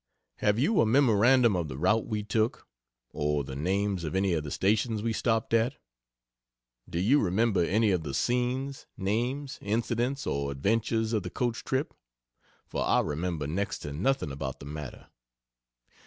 Have you a memorandum of the route we took or the names of any of the Stations we stopped at? Do you remember any of the scenes, names, incidents or adventures of the coach trip? for I remember next to nothing about the matter.